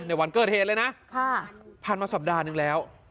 วันเกิดเหตุเลยนะผ่านมาสัปดาห์หนึ่งแล้ว